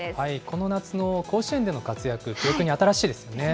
この夏の甲子園での活躍、記憶に新しいですね。